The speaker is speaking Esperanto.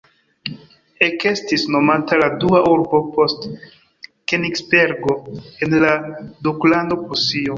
Ekestis nomata la dua urbo post Kenigsbergo en la Duklando Prusio.